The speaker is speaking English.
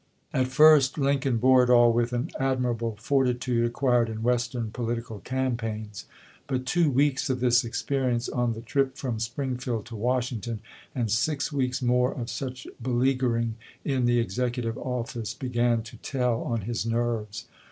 At first, Lincoln bore it all with an admirable fortitude acquired in Western political campaigns. But two weeks of this experience on the trip from Springfield to Washington, and six weeks more of such beleaguering in the Executive office, began to tell on his nerves.